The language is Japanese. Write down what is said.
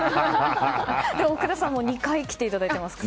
福田さんはもう２回来ていただいてますから。